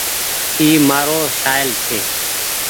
اي مآرو سآهيل ڇي